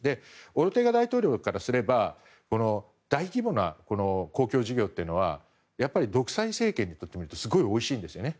オルテガ大統領からすれば大規模な公共事業というのは独裁政権にとってみるとすごくおいしいんですね。